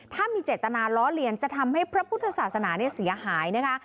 ถ้ามีเจตนาล้อเลียนจะทำให้พระพุทธศาสนาเสียหายนะคะ